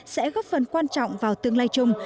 sẽ góp phần quan trọng vào tương lai chung